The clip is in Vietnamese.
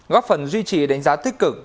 góp phần duy trì đánh giá tích cực